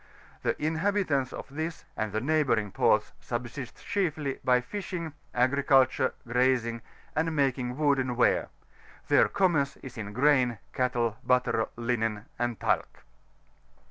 The inhabitants of this and the neighbouring ports subsist chiefly by fishing, agriculture, grazing, and making wooden ware; their commerce is in grain, cattle, butter, linen, and tsuc.